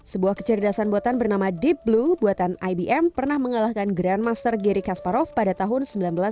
sebuah kecerdasan buatan bernama deep blue buatan ibm pernah mengalahkan grandmaster gary kasparov pada tahun seribu sembilan ratus sembilan puluh